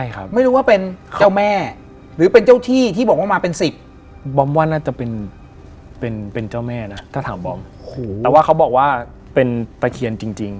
ก็คือตอนแรกเนี่ย